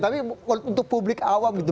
tapi untuk publik awam gitu